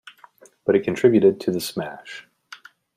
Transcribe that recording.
But it contributed to the smash.